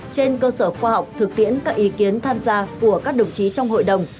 trên cơ sở khoa học thực tiễn các ý kiến tham gia của các đồng chí trong hội đồng